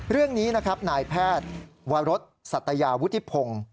เรื่องนี้นะครับนายแพทย์วรสสัตยาวุฒิพงศ์